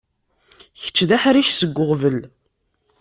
Kečč d aḥric seg uɣbel.